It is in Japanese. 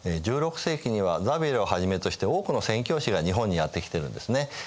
１６世紀にはザビエルをはじめとして多くの宣教師が日本にやって来てるんですね。